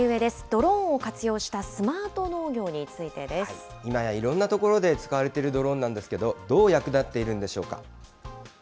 ドローンを活用したスマート農業今やいろんな所で使われているドローンなんですけれども、どう役立っているんでしょうか。